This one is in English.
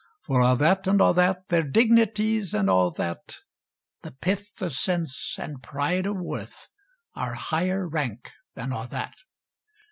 For a' that, and a' that, Their dignities, and a' that, The pith o' sense, and pride o' worth, Are higher rank than a' that.